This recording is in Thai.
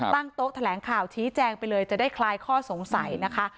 ตั้งโต๊ะแถลงข่าวชี้แจงไปเลยจะได้คลายข้อสงสัยนะคะ